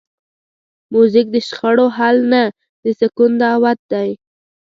موزیک د شخړو حل نه، د سکون دعوت دی.